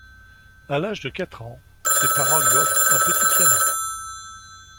À l’âge de quatre ans, ses parents lui offrent un petit piano.